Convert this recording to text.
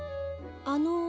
「あの」。